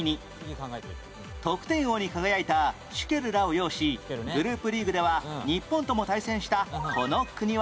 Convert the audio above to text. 得点王に輝いたシュケルらを擁しグループリーグでは日本とも対戦したこの国は？